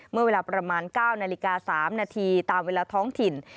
เมื่อเวลาประมาณ๙นาฬิกา๓นาทีตามเวลาท้องถิ่น